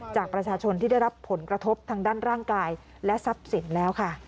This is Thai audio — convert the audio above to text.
จากประชาชนที่ได้รับผลกระทบทางด้านร่างกายและทรัพย์สินแล้วค่ะ